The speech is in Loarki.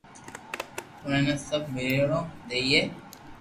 ورنہ سب ميڙون ديئي